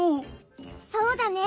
そうだね。